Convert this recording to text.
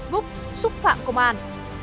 facebook xúc phạm công an